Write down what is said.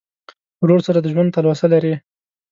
ورور سره د ژوند تلوسه لرې.